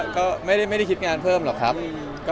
ก็ไม่ได้คิดงานเพิ่มหรอกครับ